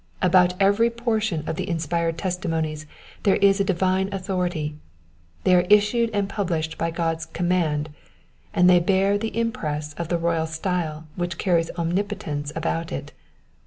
About every portion of the inspired testimonies there is a divine authority, they are issued and published by God's command, and they bear the impress of the royal style which carries omuipotence about it.